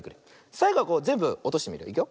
さいごはこうぜんぶおとしてみるよ。